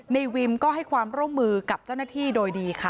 วิมก็ให้ความร่วมมือกับเจ้าหน้าที่โดยดีค่ะ